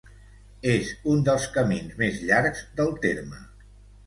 És un dels camins més llargs del terme.